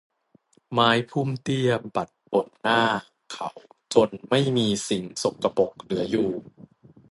ไม้พุ่มเตี้ยปัดบนหน้าเขาจนไม่มีสิ่งสกปรกเหลืออยู่